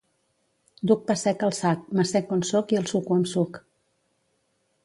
Duc pa sec al sac, m'assec on soc i el suco amb suc.